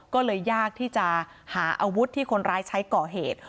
ก็เลยยากที่จะหาอาวุธที่คนร้ายใช้ก่อเหตุ